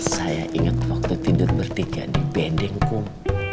saya inget waktu tidur bertiga di bending kum